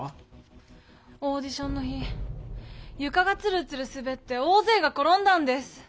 オーディションの日ゆかがツルツルすべって大ぜいが転んだんです。